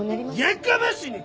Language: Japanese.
やかましいねん！